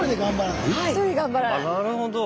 なるほど。